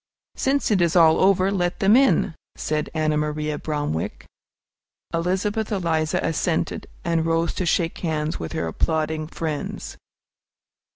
"Since it is all over, let them in," said Ann Maria Bromwick. Elizabeth Eliza assented, and rose to shake hands with her applauding friends.